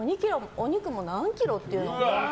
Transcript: お肉も何キロっていうくらい。